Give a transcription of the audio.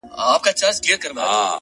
او په سترگو کې بلا اوښکي را ډنډ سوې،